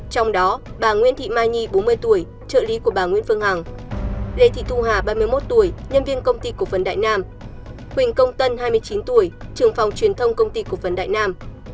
trong đó bà nguyễn thị mai nhi bốn mươi tuổi trợ lý của bà nguyễn phương hằng lê thị thu hà ba mươi một tuổi nhân viên công ty cục vấn đại nam quỳnh công tân hai mươi chín tuổi trường phòng truyền thông công ty cục vấn đại nam